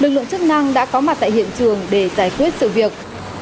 lực lượng chức năng đã có mặt tại hiện trường để giải quyết sự việc